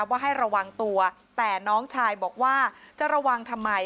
ว่าให้ระวังตัวแต่น้องชายบอกว่าจะระวังทำไม